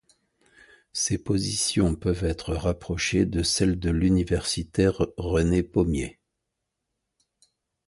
Ces positions peuvent être rapprochées de celles de l'universitaire René Pommier.